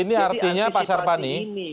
ini artinya pak sarpani